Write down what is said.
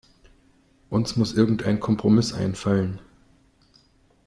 Uns muss irgendein Kompromiss einfallen.